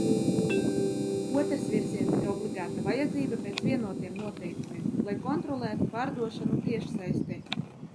Otrs virziens ir obligāta vajadzība pēc vienotiem noteikumiem, lai kontrolētu pārdošanu tiešsaistē.